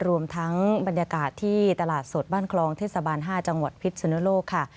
รวมทั้งบรรยากาศที่ตลาดสดบ้านคลองเทศบาล๕จังหวัดพิษสุนโลกค่ะ